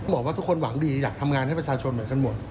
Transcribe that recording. บอกว่าทุกคนหวังดีอยากทำงานให้ประชาชนเหมือนกันหมด